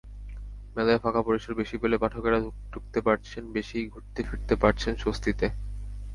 মেলায় ফাঁকা পরিসর বেশি বলে পাঠকেরা ঢুকতে পারছেন বেশি, ঘুরতে-ফিরতে পারছেন স্বস্তিতে।